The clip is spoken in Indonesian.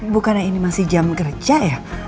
bukannya ini masih jam kerja ya